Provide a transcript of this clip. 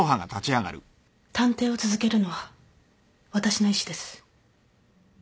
探偵を続けるのは私の意思です。